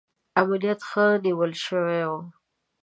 امنیت ښه نیول شوی و.